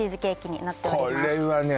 これはね